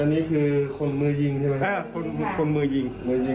นี้คือคนมือยิงยิง